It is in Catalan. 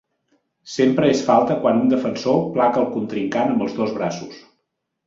Sempre és falta quan un defensor placa al contrincant amb els dos braços.